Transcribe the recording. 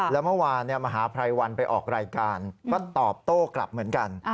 แล้วเมื่อวานมหาภัยวันไปออกรายการก็ตอบโต้กลับเหมือนกัน